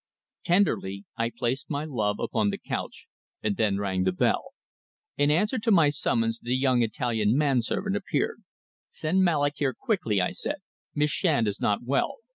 Tenderly I placed my love upon the couch, and then rang the bell. In answer to my summons the young Italian man servant appeared. "Send Mallock here quickly," I said. "Miss Shand is not well.